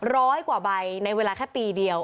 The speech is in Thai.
ร้อยกว่าใบในเวลาแค่ปีเดียว